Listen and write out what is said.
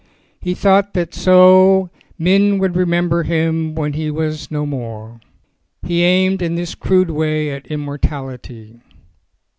He thought that so men would remember him when he was no more. He aimed in this crude way at immortality.